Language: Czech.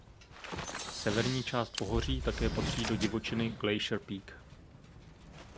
Severní část pohoří také patří do divočiny Glacier Peak.